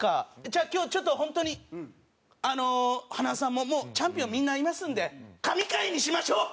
じゃあ今日ちょっと本当に塙さんももうチャンピオンみんないますんで神回にしましょう！